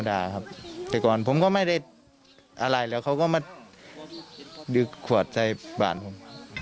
ดึกขวดใจบ้านผม